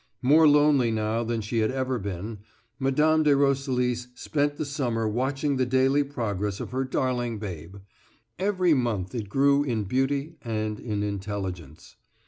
More lonely now than she had ever been, Mme. de Roselis spent the summer watching the daily progress of her darling babe; every month it grew in beauty and in intelligence.